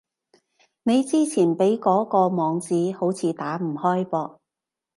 你之前畀嗰個網址，好似打唔開噃